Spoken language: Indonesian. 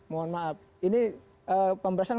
mohon maaf ini pemberasan